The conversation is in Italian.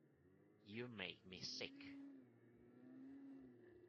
You make me sick".